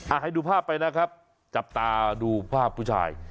ให้ดูภาพไปนะครับจับตาดูภาพผู้ชาย